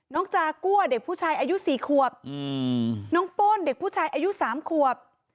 จากัวเด็กผู้ชายอายุ๔ขวบน้องป้นเด็กผู้ชายอายุ๓ขวบ